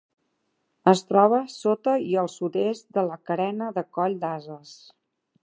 Es troba sota i al sud-est de la Carena de Coll d'Ases.